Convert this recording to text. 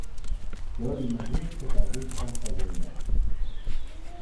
Και όλοι μαζί ξεκαρδίστηκαν στα γέλια.